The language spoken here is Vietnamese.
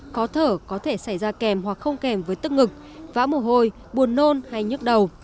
khó thở có thể xảy ra kèm hoặc không kèm với tức ngực vã mổ hôi buồn nôn hay nhức đầu